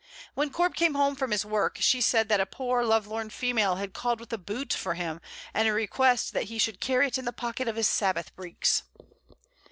When Corp came home from his work, she said that a poor, love lorn female had called with a boot for him, and a request that he should carry it in the pocket of his Sabbath breeks.